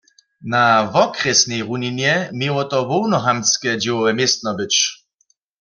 Na wokrjesnej runinje měło to hłownohamtske dźěłowe městno być.